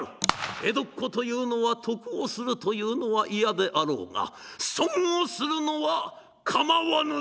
江戸っ子というのは得をするというのは嫌であろうが損をするのは構わぬであろう」。